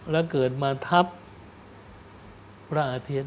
และเกิดมาทับพระอเทศ